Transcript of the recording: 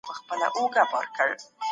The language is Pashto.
اقتصادي نظام بايد عادلانه وي.